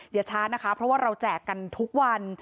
อย่าช้านะคะเพราะว่าเราแจกกันทุกวัน